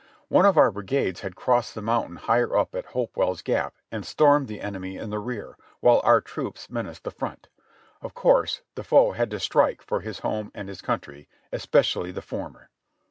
One of our brigades had crossed the mountain higher up at Hopewell's Gap and stormed the enemy in the rear, while our troops menaced the front. Of course the foe had to strike for his home and his country, especially the former.